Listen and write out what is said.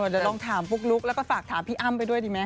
เดี๋ยวลองถามปุ๊กลุ๊กแล้วก็ฝากถามพี่อ้ำไปด้วยดีไหม